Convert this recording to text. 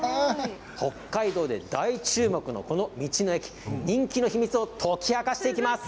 北海道で大注目の道の駅人気の秘密を解き明かしていきます。